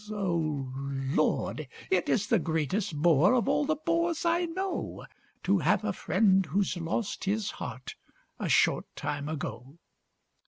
O Lord! it is the greatest bore, Of all the bores I know, To have a friend who's lost his heart A short time ago.